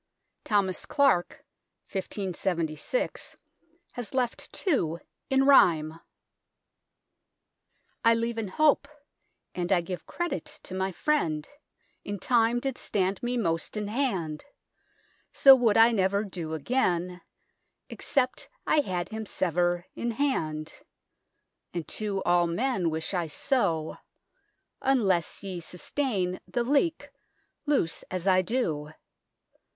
Thomas Clarke, 1576, has left two, in rhyme : I leve in hope, and I give credit to mi frinde, in time did stande me moste in hande, so woulde I never do againe, except I hade hime sver in hande, and to al men wishe I so, unles ye sussteine the leke lose as I do.